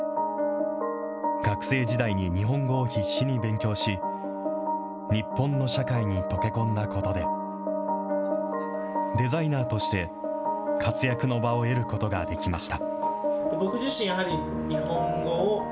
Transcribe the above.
学生時代に日本語を必死に勉強し、日本の社会に溶け込んだことで、デザイナーとして活躍の場を得ることができました。